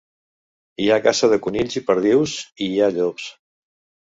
Hi ha caça de conills i perdius, i hi ha llops.